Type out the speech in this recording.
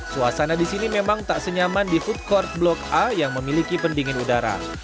suasana di sini memang tak senyaman di food court blok a yang memiliki pendingin udara